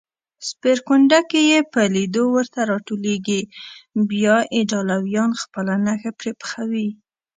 سپېرکونډکې یې په لېدو ورته راټولېږي، بیا ایټالویان خپله نښه پرې پخوي.